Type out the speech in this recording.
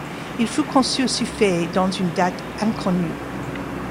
Il fut consul suffect dans une date inconnue.